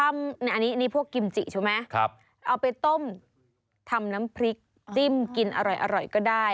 อันนี้พวกกิมจิใช่ไหมเอาไปต้มทำน้ำพริกจิ้มกินอร่อยก็ได้